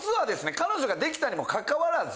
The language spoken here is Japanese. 彼女ができたにもかかわらず。